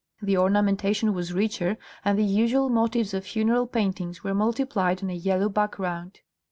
The ornamentation was richer, and the usual motives of funeral paintings were multiplied on a yellow background.